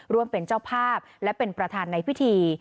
ร่วมเป็นเจ้าภาพและเป็นประธานในพิธี